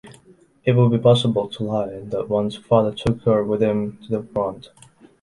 It would be possible to lie that once father took her with him to the front.